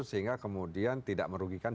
sehingga kemudian tidak merugikan